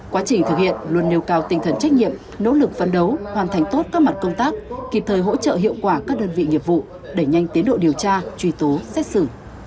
quá trình thực hiện luôn nêu cao tinh thần trách nhiệm nỗ lực phấn đấu hoàn thành tốt các mặt công tác kịp thời hỗ trợ hiệu quả các đơn vị nghiệp vụ đẩy nhanh tiến độ điều tra truy tố xét xử